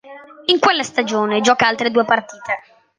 In quella stagione gioca altre due partite.